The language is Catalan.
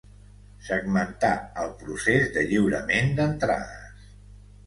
Segmentar el procés de lliurament d'entrades.